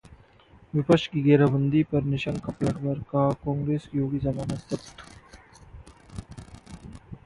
विपक्ष की घेराबंदी पर निशंक का पलटवार, कहा-कांग्रेस की होगी जमानत जब्त